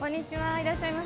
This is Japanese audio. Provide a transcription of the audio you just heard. いらっしゃいませ。